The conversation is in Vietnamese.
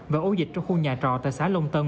và ô dịch trong khu nhà trò tại xã lông tân